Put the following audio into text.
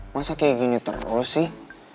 masa kayak gini terus sih